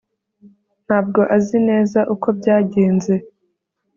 ntabwo azi neza uko byagenze